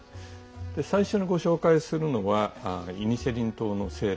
最初に、ご紹介するのは「イニシェリン島の精霊」。